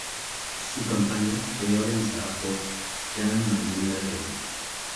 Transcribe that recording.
Su campaña fue organizada por Jean-Marie Le Pen.